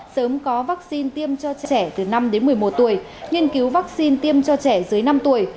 sớm có vaccine tiêm cho trẻ từ năm đến một mươi một tuổi nghiên cứu vaccine tiêm cho trẻ dưới năm tuổi